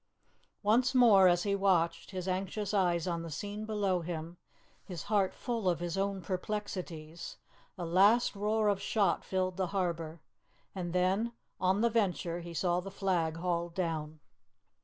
Once more as he watched, his anxious eyes on the scene below him, his heart full of his own perplexities, a last roar of shot filled the harbour, and then, on the Venture, he saw the flag hauled down.